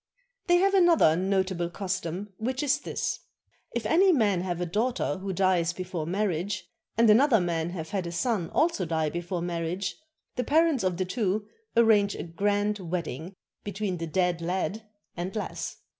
They have another notable custom, which is this: If any man have a daughter who dies before marriage, and another man have had a son also die before marriage, the parents of the two arrange a grand wedding between the dead lad and lass.